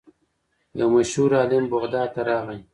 یو مشهور عالم بغداد ته راغی.